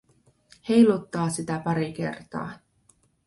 Heiluttaa sitä pari kertaa.